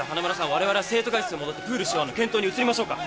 我々は生徒会室へ戻ってプール使用の検討に移りましょうか。